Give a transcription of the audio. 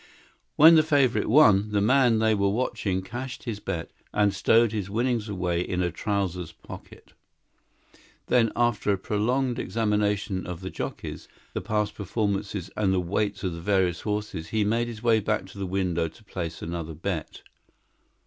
When the favorite won, the man they were watching cashed his bet and stowed his winnings away in a trousers pocket. Then, after a prolonged examination of the jockeys, the past performances and the weights of the various horses, he made his way back to the window to place another bet.